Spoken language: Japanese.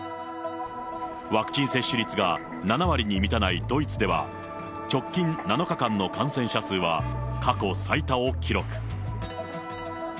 ワクチン接種率が７割に満たないドイツでは、直近７日間の感染者数は過去最多を記録。